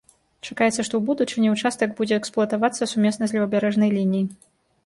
Чакаецца, што ў будучыні ўчастак будзе эксплуатавацца сумесна з левабярэжнай лініі.